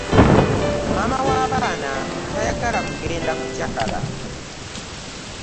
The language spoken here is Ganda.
Maama w'abaana tayagala kugenda kukyakala.